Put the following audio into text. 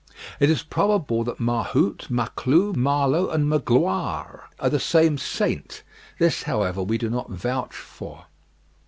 It is probable that Mahout, Maclou, Malo, and Magloire are the same saint: this, however, we do not vouch for.